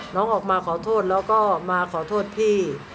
ออกมาขอโทษแล้วก็มาขอโทษพี่